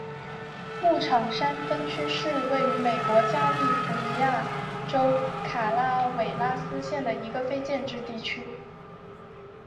牧场山分区是位于美国加利福尼亚州卡拉韦拉斯县的一个非建制地区。